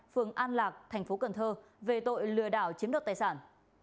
phường an lạc thành phố cần thơ về tội lừa đảo chiếm đoạt tài sản